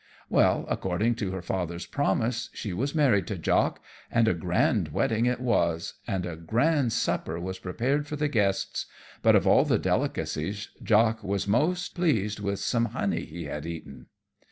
Well, according to her father's promise, she was married to Jock, and a grand wedding it was, and a grand supper was prepared for the guests; but of all the delicacies Jock was most pleased with some honey he had eaten.